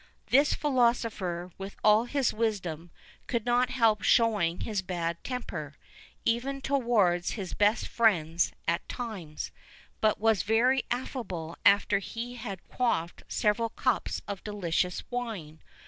This philosopher, with all his wisdom, could not help showing his bad temper, even towards his best friends at times, but was very affable after he had quaffed several cups of delicious wine.